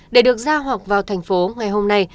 để được ra hoặc vào thành phố ngày hôm nay